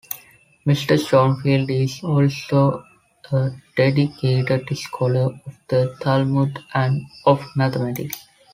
Mr Schoenfield is also a dedicated scholar of the Talmud and of mathematics.